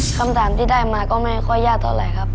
คำถามที่ได้มาก็ไม่ค่อยยากเท่าไหร่ครับ